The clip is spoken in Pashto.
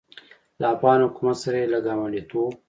له افغان حکومت سره یې له ګاونډیتوب